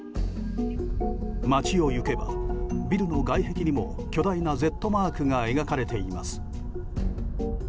街を行けば、ビルの外壁にも巨大なＺマークが描かれています。